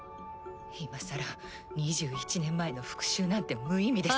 今更２１年前の復讐なんて無意味ですよ。